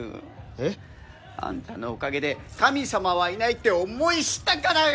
えっ？あんたのおかげで神様はいないって思い知ったからよ！